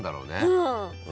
うん。